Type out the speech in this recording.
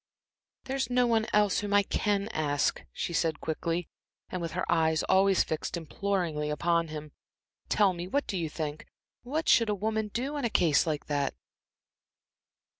"There's no one else whom I can ask," she said quickly, and with her eyes always fixed imploringly upon him. "Tell me what you think. What should a woman do in a case like that?"